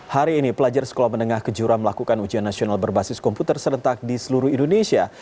hari ini pelajar sekolah menengah kejura melakukan ujian nasional berbasis komputer serentak di seluruh indonesia